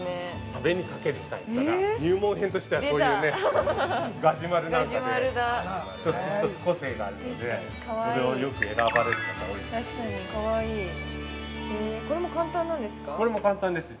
◆壁にかけるタイプから入門編としてはこういうね、ガジュマルなんか一つ一つ個性があるので、これをよく選ばれる方、多いです。